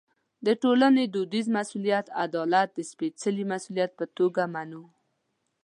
د ټولنې دودیز مسوولیت عدالت د سپېڅلي مسوولیت په توګه منلو.